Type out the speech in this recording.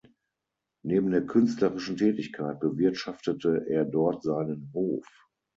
Neben der künstlerischen Tätigkeit bewirtschaftete er dort seinen Hof.